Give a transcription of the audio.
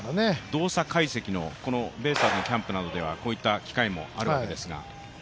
動作解析の、ベイスターズのキャンプではこういった機械もあるわけですが。